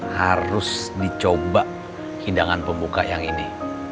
harus dicoba hidangan pembuka yang ini